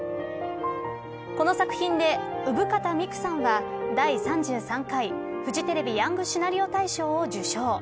この作品で生方美久さんは第３３回フジテレビヤングシナリオ大賞を受賞。